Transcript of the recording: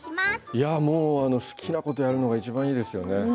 いやもう好きなことをやるのがいちばんいいですね。